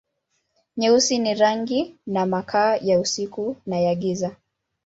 Nyeusi ni rangi na makaa, ya usiku na ya giza.